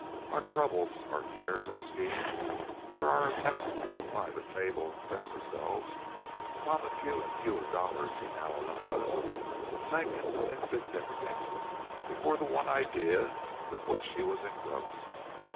Our troubles, our cares, our schemes, or our attempts to supply the table and dress ourselves upon the few and fewer dollars he now allowed us, sank into insignificance before the one idea with which he was engrossed.